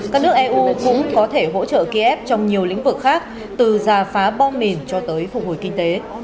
các nước eu cũng có thể hỗ trợ kiev trong nhiều lĩnh vực khác từ giả phá bom mìn cho tới phục hồi kinh tế